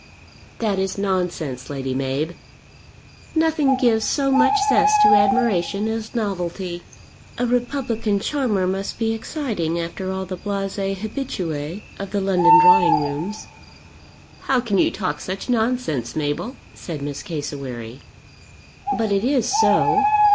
"That is nonsense, Lady Mab." "Nothing gives so much zest to admiration as novelty. A republican charmer must be exciting after all the blasées habituées of the London drawing rooms." "How can you talk such nonsense, Mabel?" said Miss Cassewary. "But it is so.